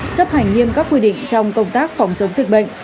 chấp hành nghiêm các quy định trong công tác phòng chống dịch bệnh